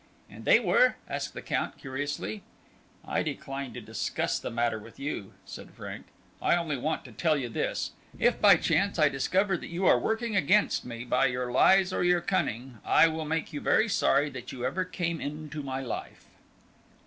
"And they were?" asked the Count, curiously. "I decline to discuss the matter with you," said Frank. "I want only to tell you this. If by chance I discover that you are working against me by your lies or your cunning, I will make you very sorry that you ever came into my life."